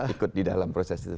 ikut di dalam proses itu